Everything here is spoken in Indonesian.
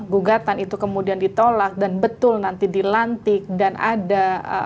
gugatan itu kemudian ditolak dan betul nanti dilantik dan ada